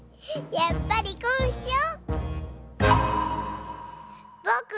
やっぱりこうしちゃお。